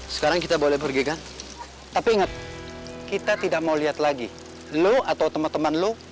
sekarang kita boleh pergi kan tapi inget kita tidak mau lihat lagi lu atau teman teman lu